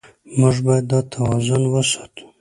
موږ باید دا توازن وساتو.